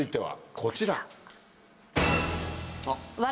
こちら。